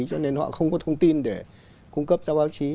cho nên họ không có thông tin để cung cấp cho báo chí